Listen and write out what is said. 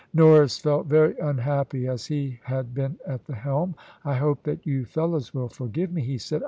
Norris felt very unhappy, as he had been at the helm. "I hope that you fellows will forgive me," he said.